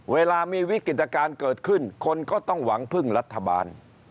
เวลามีวิกฤตการณ์เกิดขึ้นคนก็ต้องหวังพึ่งรัฐบาล